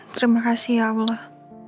terima kasih ya allah